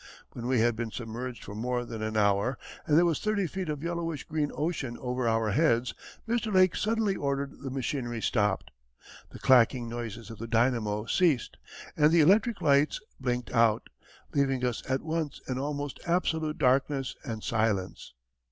When we had been submerged far more than an hour, and there was thirty feet of yellowish green ocean over our heads, Mr. Lake suddenly ordered the machinery stopped. The clacking noises of the dynamo ceased, and the electric lights blinked out, leaving us at once in almost absolute darkness and silence.